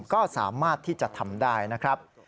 ก็สามารถที่จะทำได้นะครับ